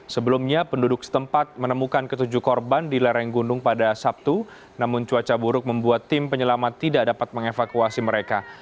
sebelumnya penduduk setempat menemukan ketujuh korban di lereng gunung pada sabtu namun cuaca buruk membuat tim penyelamat tidak dapat mengevakuasi mereka